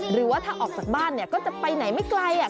หรือว่าถ้าออกจากบ้านเนี่ยก็จะไปไหนไม่ไกล